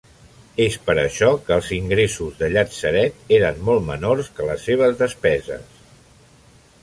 És per això, que els ingressos del Llatzeret eren molt menors que les seves despeses.